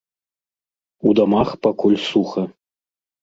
У дамах пакуль суха.